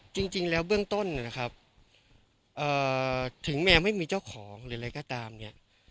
จริงแล้วเบื้องต้นนะครับถึงแมวไม่มีเจ้าของหรืออะไรก็ตามเนี่ย